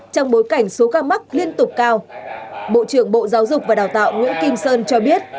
trong bối cảnh số ca mắc liên tục cao bộ trưởng bộ giáo dục và đào tạo nguyễn kim sơn cho biết